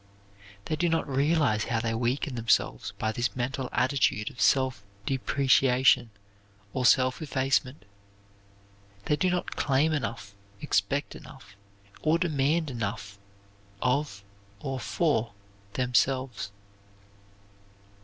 They do not realize how they weaken themselves by this mental attitude of self depreciation or self effacement. They do not claim enough, expect enough, or demand enough of or for themselves.